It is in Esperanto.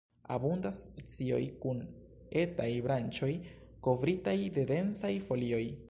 Abundas specioj kun etaj branĉoj kovritaj de densaj folioj.